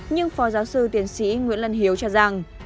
nhưng phó giáo sư tiến sĩ nguyễn lân hiếu cho rằng